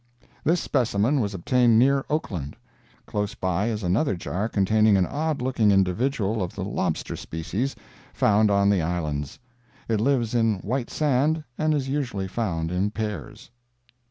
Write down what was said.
This specimen was obtained near Oakland. Close by is an other jar containing an odd looking individual of the lobster species, found on the islands. It lives in white sand, and is usually found in pairs.